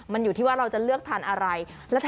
มันอยู่ที่ว่าเราจะเลือกทานอะไร